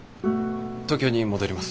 東京に戻ります。